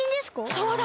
そうだ！